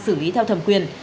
xử lý theo thẩm quyền